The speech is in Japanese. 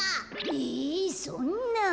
えそんな。